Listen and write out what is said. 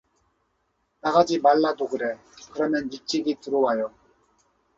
나가지 말라도 그래, 그러면 일찍이 들어와요.